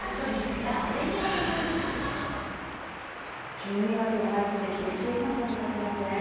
１２月に入って、厳しい寒さになっていますね。